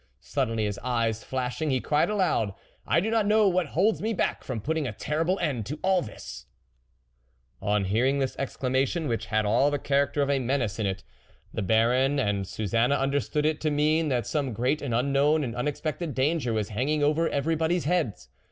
Suddenly, his eyes flashing, he cried aloud :" I do not THE WOLF LEADER know what holds me back from putting a terrible end to all this !" On hearing this exclamation, which had all the character of a menace in it, the Baron and Suzanne understood it to mean that some great and unknown and unexpected danger was hanging over everybody's heads.